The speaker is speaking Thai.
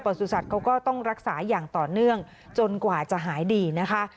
สุสัตว์เขาก็ต้องรักษาอย่างต่อเนื่องจนกว่าจะหายดีนะคะ